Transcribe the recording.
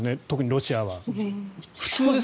特にロシアは。